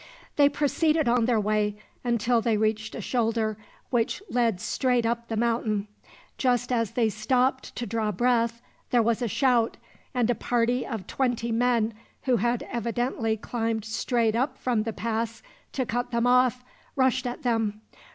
They proceeded on their way, until they reached a shoulder which led straight up the mountain. Just as they stopped to draw breath there was a shout, and a party of twenty men, who had evidently climbed straight up from the pass to cut them off, rushed at them.